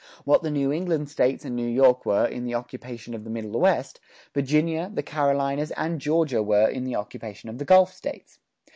What the New England States and New York were in the occupation of the Middle West, Virginia, the Carolinas, and Georgia were in the occupation of the Gulf States.